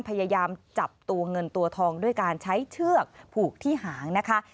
พยายามจับตัวเงินตัวทองด้วยการใช้เชือกผูกที่หางนะคะ